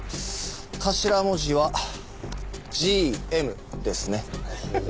頭文字はＧＭですね。